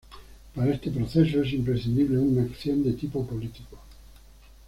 Para este proceso es imprescindible una acción de tipo político.